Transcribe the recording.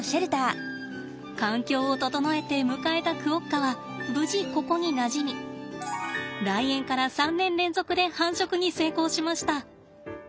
環境を整えて迎えたクオッカは無事ここになじみ来園から３年連続で繁殖に成功しました！